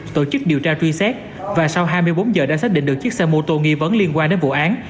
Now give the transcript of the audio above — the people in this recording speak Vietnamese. tổ chức điều tra truy xét và sau hai mươi bốn giờ đã xác định được chiếc xe mô tô nghi vấn liên quan đến vụ án